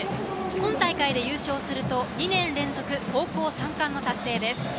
今大会で優勝すると２年連続高校３冠の達成です。